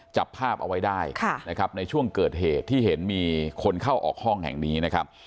จับภาพเอาไว้ได้นะครับในช่วงเกิดเหตุที่เห็นมีคนเข้าออกห้องแห่งนี้นะครับ